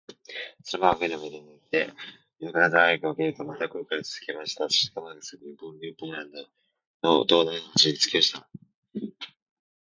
その晩は舟の中で寝て、翌朝早く起きると、また航海をつづけました。七時間ばかりすると、ニューポランドの東南端に着きました。